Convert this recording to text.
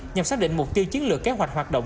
nhằm xác định mục tiêu chiến lược kế hoạch hoạt động